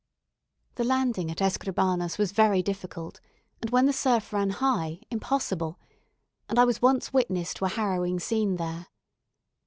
The landing at Escribanos was very difficult, and when the surf ran high, impossible; and I was once witness to a harrowing scene there.